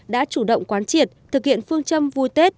đã chủ động quán triệt thực hiện phương châm vui tết